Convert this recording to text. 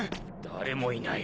誰もいない。